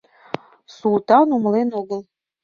— Султан умылен огыл.